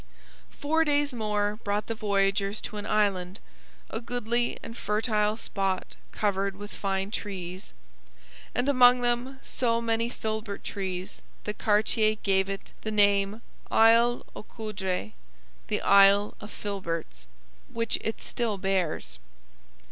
Four days more brought the voyagers to an island, a 'goodly and fertile spot covered with fine trees,' and among them so many filbert trees that Cartier gave it the name Isle aux Coudres (the Isle of Filberts), which it still bears.